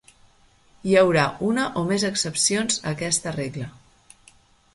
Hi haurà una o més excepcions a aquesta regla.